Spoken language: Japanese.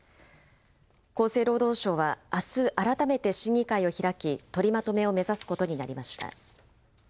厚生労働省はあす改めて審議会を開き、取りまとめを目指すことになりました。